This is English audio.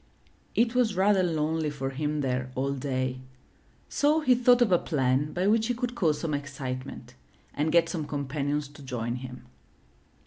It was rather lonely for him there all day; so he thought of a plan by which he could cause some excitement and get some companions to join him.